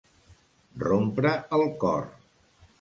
Rompre el cor.